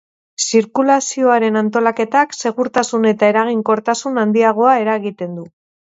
Zirkulazioaren antolaketak segurtasun eta eraginkortasun handiagoa eragiten du.